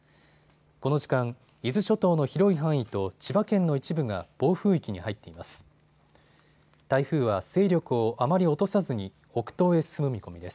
この時間、伊豆諸島の広い範囲と千葉県の一部が暴風域に入っています。